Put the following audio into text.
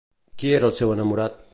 Qui era el seu enamorat?